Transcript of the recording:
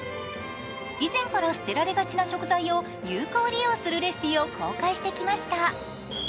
以前から捨てられがちな食材を有効利用するレシピを公開してきました。